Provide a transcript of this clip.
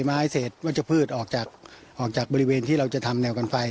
ไม่เสร็จว่าจะพืชออกจากบริเวณที่เราจะทำแนวกันไฟ